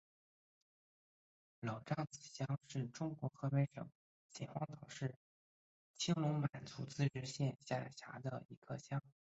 娄杖子乡是中国河北省秦皇岛市青龙满族自治县下辖的一个乡。